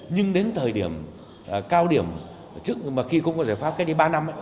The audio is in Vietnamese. nhưng đến thời điểm cao điểm trước mà khi cũng có giải pháp cách đây ba năm